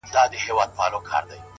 هغه به دروند ساتي چي څوک یې په عزت کوي؛